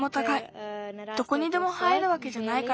どこにでも生えるわけじゃないから。